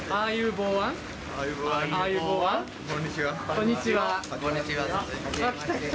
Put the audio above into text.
こんにちは。